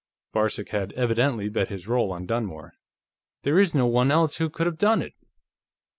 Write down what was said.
Varcek had evidently bet his roll on Dunmore. "There is no one else who could have done it."